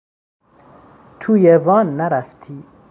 تویِ وان نرفتی؟